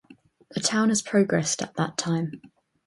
The town has progressed at that time.